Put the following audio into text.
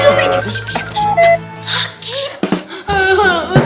aduh aduh aduh sobri